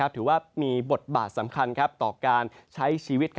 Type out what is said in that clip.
ถือว่ามีบทบาทสำคัญต่อการใช้ชีวิต